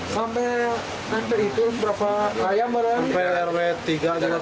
sampai meter itu berapa layam berani